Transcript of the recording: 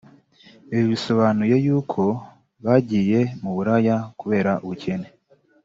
Ibi bisobanuye yuko bagiye mu buraya kubera ubukene